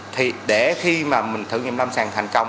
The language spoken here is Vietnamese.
thì để khi mà mình thử nghiệm lâm sàng thành công